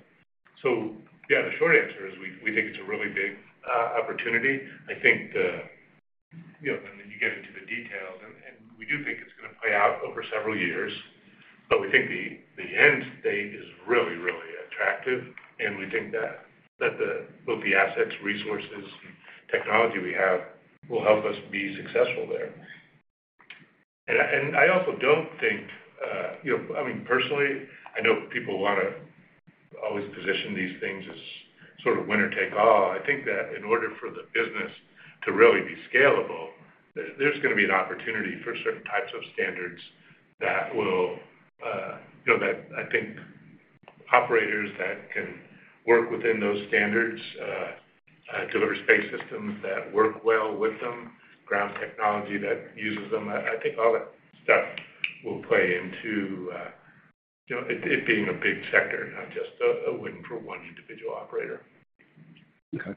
Yeah, the short answer is, we, we think it's a really big opportunity. I think the... You know, then you get into the details, and we do think it's gonna play out over several years, but we think the, the end state is really attractive, and we think that, that the, both the assets, resources, and technology we have will help us be successful there and I also don't think, you know, I mean, personally, I know people wanna always position these things as sort of winner take all. I think that in order for the business to really be scalable, there, there's gonna be an opportunity for certain types of standards that will, you know, that I think operators that can work within those standards, deliver space systems that work well with them, ground technology that uses them. I think all that stuff will play into, you know, it, it being a big sector, not just a win for one individual operator. Okay.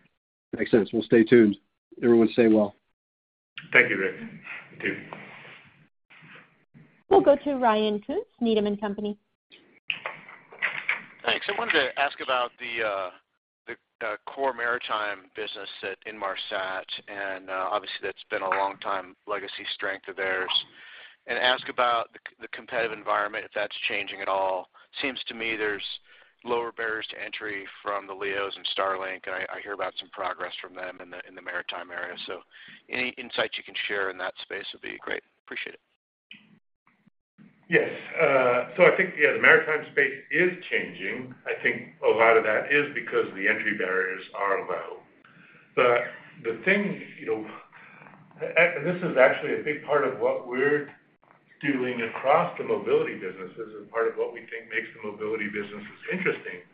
Makes sense. We'll stay tuned. Everyone, stay well. Thank you, Ric. You, too. We'll go to Ryan Koontz, Needham & Company. Thanks. I wanted to ask about the core maritime business at Inmarsat, obviously, that's been a long time legacy strength of theirs. Ask about the competitive environment, if that's changing at all. Seems to me there's lower barriers to entry from the LEOs and Starlink, I, I hear about some progress from them in the maritime area. Any insights you can share in that space would be great. Appreciate it. Yes. I think, yeah, the maritime space is changing. I think a lot of that is because the entry barriers are low. The thing, you know, and this is actually a big part of what we're doing across the mobility businesses, and part of what we think makes the mobility businesses interesting,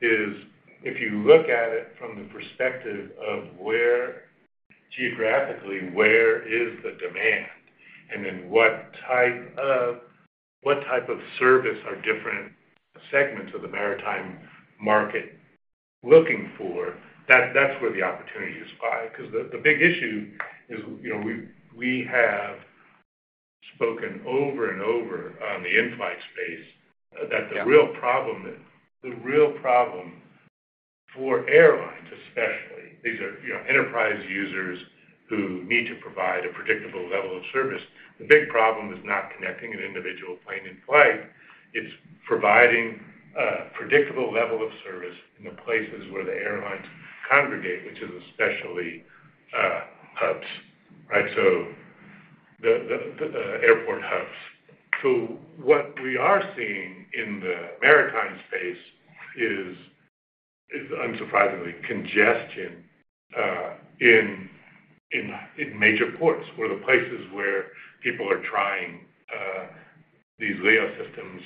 is if you look at it from the perspective of geographically, where is the demand? Then what type of, what type of service are different segments of the maritime market looking for? That's where the opportunities lie. The big issue is, you know, we have spoken over and over on the in-flight space, that the real problem for airlines especially, these are, you know, enterprise users who need to provide a predictable level of service. The big problem is not connecting an individual plane in flight, it's providing a predictable level of service in the places where the airlines congregate, which is especially hubs, right. The airport hubs. What we are seeing in the maritime space is unsurprisingly congestion in major ports, where the places where people are trying these LEO systems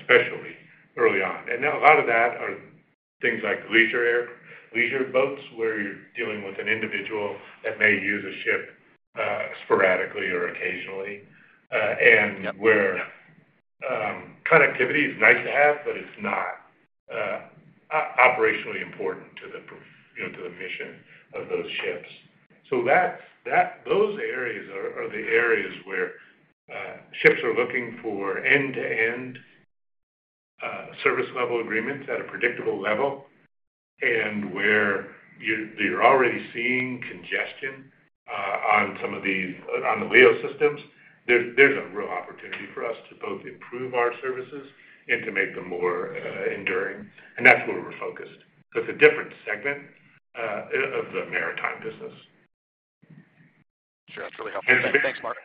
especially early on. Now a lot of that are things like leisure boats, where you're dealing with an individual that may use a ship sporadically or occasionally And where connectivity is nice to have, but it's not operationally important to the, you know, to the mission of those ships. That's that those areas are the areas where ships are looking for end-to-end service level agreements at a predictable level, and where you're already seeing congestion on some of these on the LEO systems. There's a real opportunity for us to both improve our services and to make them more enduring, and that's where we're focused. It's a different segment of the maritime business. Sure, that's really helpful. Thanks, Mark.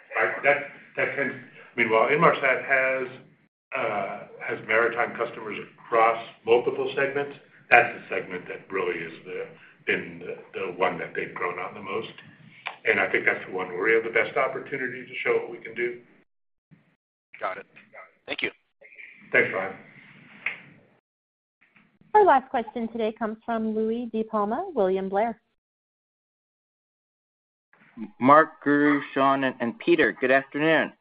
That can I mean, while Inmarsat has has maritime customers across multiple segments, that's the segment that really is been the one that they've grown on the most. I think that's the one where we have the best opportunity to show what we can do. Got it. Thank you. Thanks, Ryan. Our last question today comes from Louie DiPalma, William Blair. Mark, Guru, Sean, and, and Peter, good afternoon.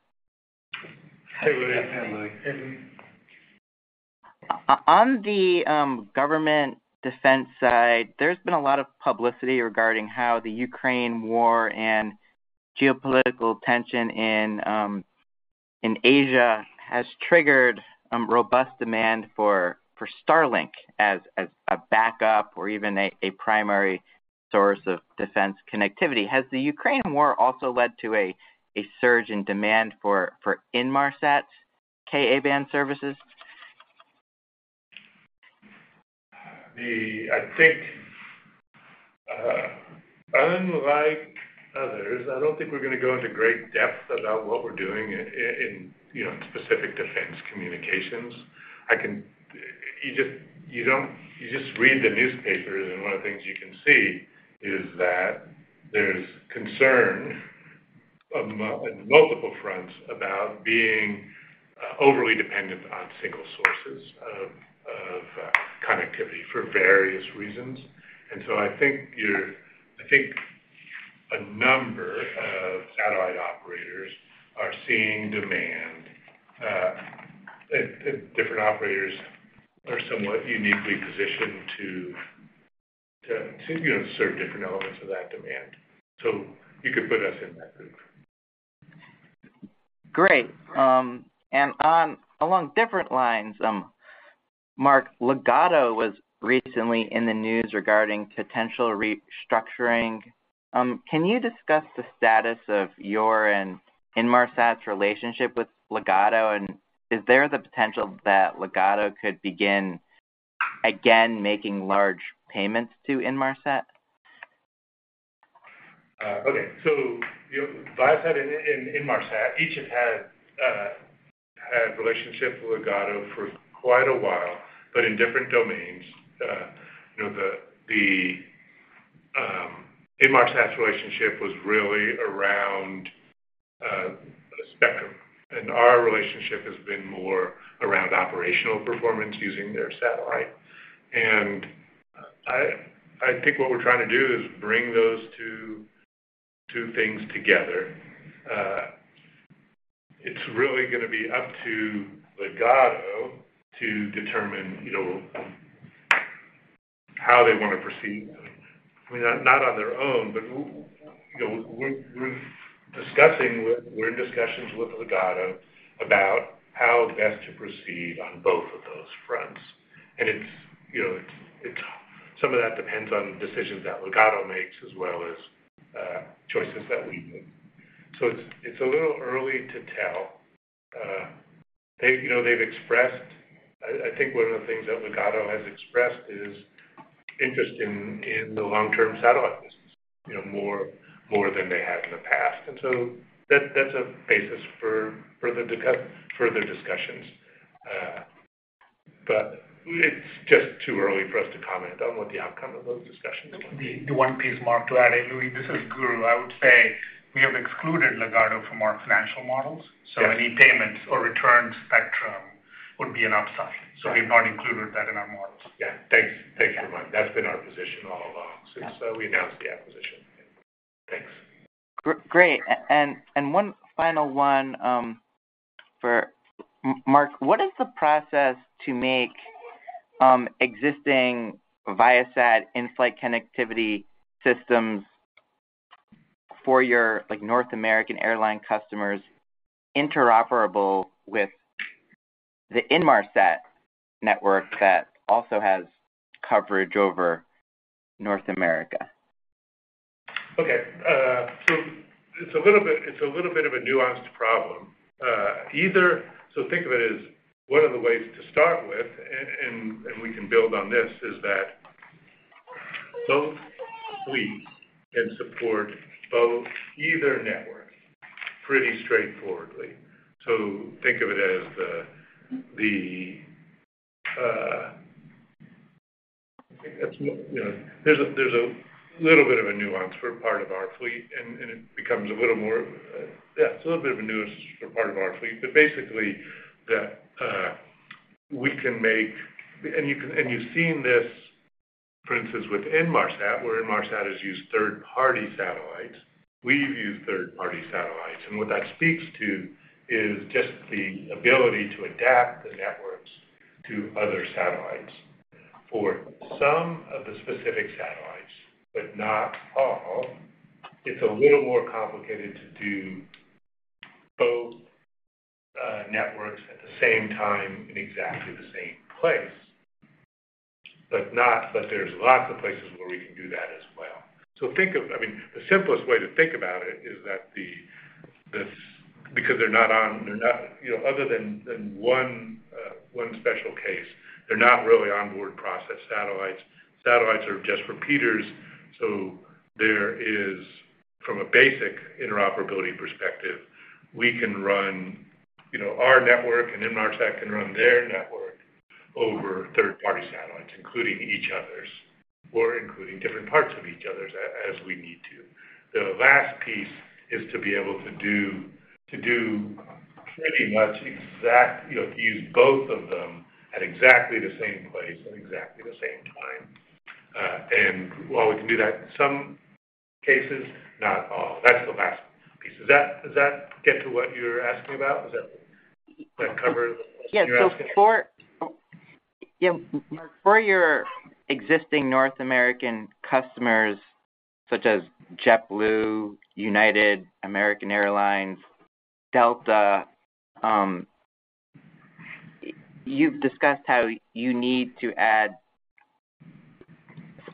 Hey, Louie. Hey, Louie. On the government defense side, there's been a lot of publicity regarding how the Ukraine war and geopolitical tension in Asia has triggered some robust demand for, for Starlink as, as a backup or even a, a primary source of defense connectivity. Has the Ukraine war also led to a, a surge in demand for, for Inmarsat's Ka-band services? I think, unlike others, I don't think we're going to go into great depth about what we're doing in, you know, specific defense communications. You just read the newspapers, and one of the things you can see is that there's concern on multiple fronts about being overly dependent on single sources of, of connectivity for various reasons. I think a number of satellite operators are seeing demand, and different operators are somewhat uniquely positioned to, to, you know, serve different elements of that demand. You could put us in that group. Great. On, along different lines, Mark, Ligado was recently in the news regarding potential restructuring. Can you discuss the status of your and Inmarsat's relationship with Ligado? Is there the potential that Ligado could begin again making large payments to Inmarsat? Okay. You know, Viasat and Inmarsat, each have had a relationship with Ligado for quite a while, but in different domains. You know, the, the Inmarsat relationship was really around spectrum, and our relationship has been more around operational performance using their satellite. I think what we're trying to do is bring those two things together. It's really gonna be up to Ligado to determine, you know, how they want to proceed. I mean, not on their own, but, you know, we're in discussions with Ligado about how best to proceed on both of those fronts. It's, you know, Some of that depends on decisions that Ligado makes, as well as choices that we make. It's a little early to tell. They, you know, they've expressed. I think one of the things that Ligado has expressed is interest in, in the long-term satellite business, you know, more, more than they have in the past. That, that's a basis for further discussions. It's just too early for us to comment on what the outcome of those discussions will be. The, the one piece, Mark Dankberg, to add in, Louie DiPalma, this is Guru Gowrappan. I would say we have excluded Ligado from our financial models. Any payments or returned spectrum would be an upside. We've not included that in our models. Yeah. Thanks. Thank you, Guru. That's been our position all along, since we announced the acquisition. Thanks. Great. One final one for Mark. What is the process to make existing Viasat in-flight connectivity systems for your, like, North American airline customers interoperable with the Inmarsat network that also has coverage over North America? Okay. It's a little bit, it's a little bit of a nuanced problem. Think of it as one of the ways to start with, and, and, and we can build on this, is that both fleet can support both, either network pretty straightforwardly. Think of it as the, the, I think that's, you know, there's a, there's a little bit of a nuance for part of our fleet, and, and it becomes a little more, yeah, it's a little bit of a nuance for part of our fleet. Basically, that, we can make and you can, and you've seen this, for instance, with Inmarsat, where Inmarsat has used third-party satellites. We've used third-party satellites, and what that speaks to is just the ability to adapt the networks to other satellites. For some of the specific satellites, but not all, it's a little more complicated to do both, networks at the same time in exactly the same place. There's lots of places where we can do that as well. Think of I mean, the simplest way to think about it is that the, this, because they're not on, they're not, you know, other than one, one special case, they're not really onboard process satellites. Satellites are just repeaters, so there is, from a basic interoperability perspective, we can run, you know, our network, and Inmarsat can run their network over third-party satellites, including each other's, or including different parts of each other's as we need to. The last piece is to be able to do, to do pretty much exact, you know, to use both of them at exactly the same place at exactly the same time. While we can do that, in some cases, not all. That's the last piece. Does that, does that get to what you're asking about? Does that, that cover the question you're asking? Yes. For, yeah, Mark, for your existing North America customers, such as JetBlue, United, American Airlines, Delta, you've discussed how you need to add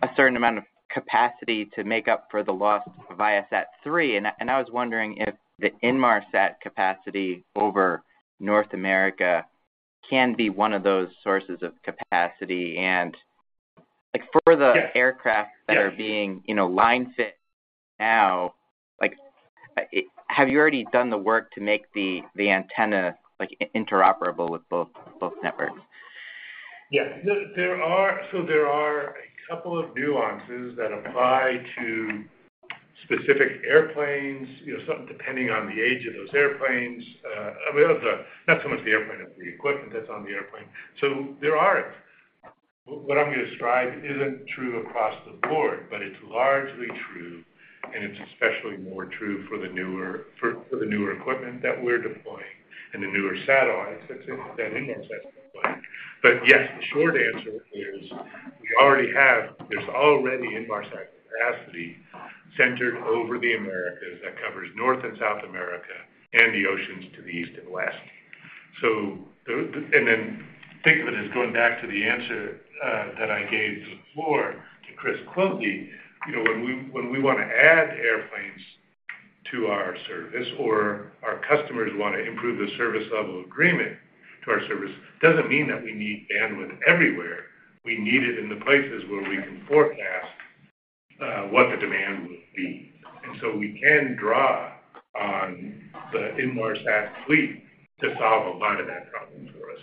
a certain amount of capacity to make up for the loss of ViaSat-3. I was wondering if the Inmarsat capacity over North America can be one of those sources of capacity and, like, for the- Yes. aircraft that are being, you know, line-fit now, like, have you already done the work to make the, the antenna, like, interoperable with both, both networks? Yeah. There are, so there are a couple of nuances that apply to specific airplanes, you know, some depending on the age of those airplanes. Well, the, not so much the airplane, it's the equipment that's on the airplane. There are. What I'm going to describe isn't true across the board, but it's largely true, and it's especially more true for the newer equipment that we're deploying and the newer satellites that, that Inmarsat is deploying. Yes, the short answer is, we already have, there's already Inmarsat capacity centered over the Americas that covers North and South America, and the oceans to the east and west. Think of it as going back to the answer that I gave before to Chris Quilty. You know, when we, when we want to add airplanes to our service or our customers want to improve the service level agreement to our service, it doesn't mean that we need bandwidth everywhere. We need it in the places where we can forecast, what the demand would be. So we can draw on the Inmarsat fleet to solve a lot of that problem for us.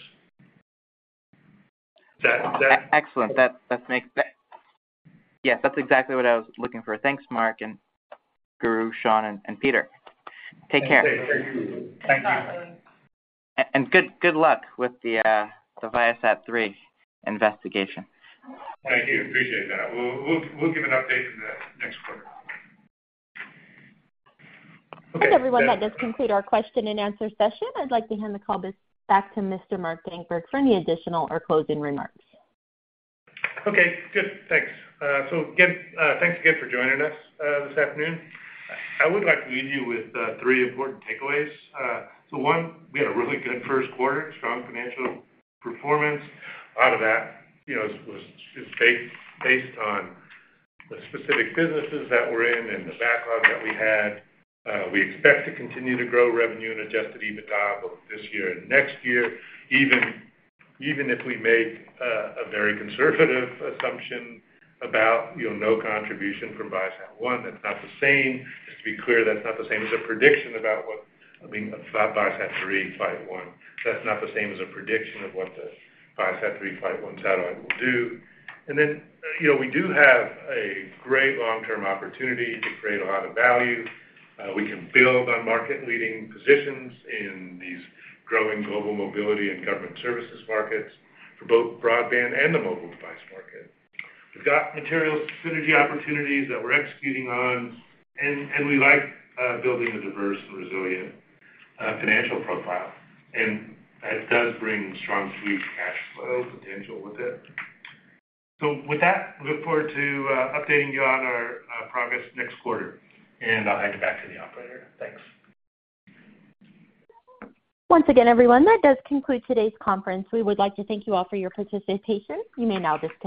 Does that, does that- Excellent. That, that makes sense. Yes, that's exactly what I was looking for. Thanks, Mark, and Guru, Shawn, and, and Peter. Take care. Thank you. Thank you. Good, good luck with the ViaSat-3 investigation. Thank you. Appreciate that. We'll give an update in the next quarter. Everyone, that does conclude our question and answer session. I'd like to hand the call back to Mr. Mark Dankberg for any additional or closing remarks. Good. Thanks. So again, thanks again for joining us this afternoon. I would like to leave you with three important takeaways. So one, we had a really good first quarter, strong financial performance. A lot of that, you know, was, is based, based on the specific businesses that we're in and the backlog that we had. We expect to continue to grow revenue and adjusted EBITDA both this year and next year, even, even if we make a, a very conservative assumption about, you know, no contribution from ViaSat-1. That's not the same. Just to be clear, that's not the same as a prediction about what, I mean, ViaSat-3, ViaSat-1. That's not the same as a prediction of what the ViaSat-3, ViaSat-1 satellite will do. You know, we do have a great long-term opportunity to create a lot of value. We can build on market-leading positions in these growing global mobility and government services markets for both broadband and the mobile device market. We've got material synergy opportunities that we're executing on, and we like building a diverse and resilient financial profile, and it does bring strong free cash flow potential with it. With that, we look forward to updating you on our progress next quarter, and I'll hand it back to the operator. Thanks. Once again, everyone, that does conclude today's conference. We would like to thank you all for your participation. You may now disconnect.